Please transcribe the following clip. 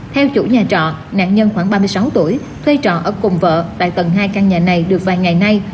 theo chủ nhà trọ nạn nhân khoảng ba mươi sáu tuổi thuê trọ ở cùng vợ tại tầng hai căn nhà này được vài ngày nay